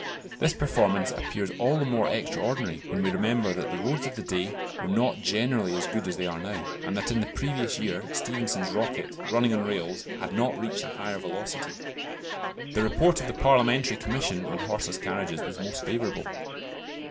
This performance appears all the more extraordinary when we remember the roads of that day were not generally as good as they are now, and that in the previous year Stephenson's "Rocket," running on rails, had not reached a higher velocity. The report of the Parliamentary Commission on horseless carriages was most favourable.